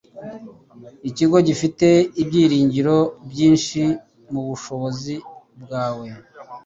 Ikigo gifite ibyiringiro byinshi mubushobozi bwawe.